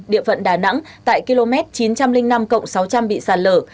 địa phận đà nẵng tại km chín trăm linh năm cộng sáu trăm linh bị sạt lở